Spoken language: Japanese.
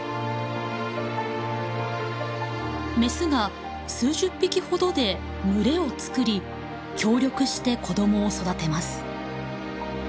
メスが数十匹ほどで群れを作り協力して子どもを育てます。